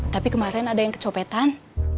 tapi kemarin ada yang kecopetan